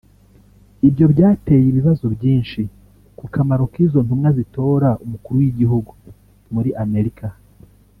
Ivyo vyateye ibibazo vyinshi ku kamaro k’izo ntumwa zitora umukuru w’igihugu muri Amerika